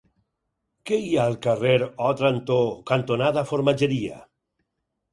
Què hi ha al carrer Òtranto cantonada Formatgeria?